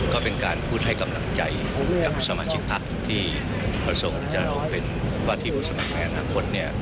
ก็เป็นการพูดให้กำลังใจกับสมาชิกพักที่ประสงค์จะลงเป็นว่าที่ผู้สมัครในอนาคต